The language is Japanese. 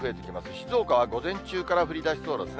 静岡は午前中から降りだしそうですね。